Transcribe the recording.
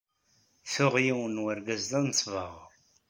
Tuɣ yiwen n wergaz d anesbaɣur.